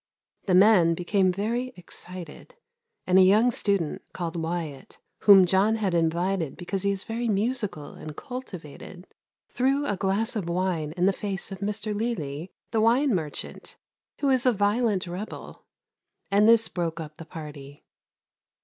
The men became very excited, and a young student, called Wyatt, whom John had invited because he is very musical and cultivated, threw a glass of wine in the face of Mr Lely, the wine merchant, who is a violent rebel, and this broke up the party.